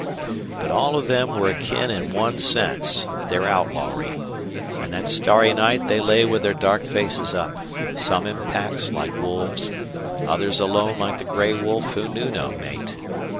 But all of them were akin in one sense their outlawry; and that starry night they lay with their dark faces up, some in packs like wolves, others alone like the gray wolf who knew no mate.